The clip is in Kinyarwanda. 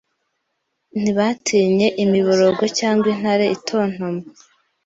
ntibatinye imiborogo cyangwa intare itontoma